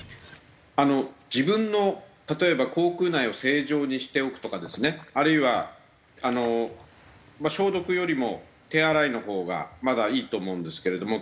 自分の例えば口腔内を清浄にしておくとかですねあるいは消毒よりも手洗いのほうがまだいいと思うんですけれども。